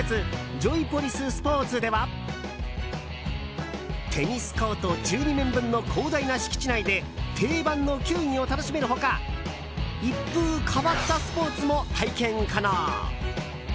ＪＯＹＰＯＬＩＳＳＰＯＲＴＳではテニスコート１２面分の広大な敷地内で定番の球技を楽しめる他一風変わったスポーツも体験可能。